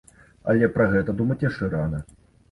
Але пра гэта думаць яшчэ рана.